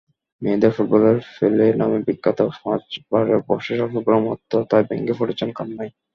মেয়েদের ফুটবলের পেলে নামে বিখ্যাত, পাঁচবারের বর্ষসেরা ফুটবলার মার্তা তাই ভেঙে পড়েছেন কান্নায়।